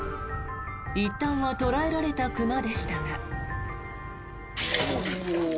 いったんは捕らえられた熊でしたが。